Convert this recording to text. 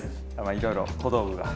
いろいろ小道具が。